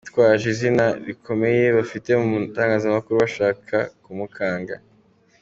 Bitwaje izina rikomeye bafite mu itangazamakuru bashaka kumukanga.